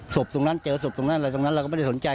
ศพตรงนั้นเจอศพตรงนั้นอะไรตรงนั้นเราก็ไม่ได้สนใจ